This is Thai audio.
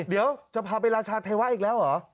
เดี๋ยวจะพาไปราชาเทวะอีกแล้วเหรอ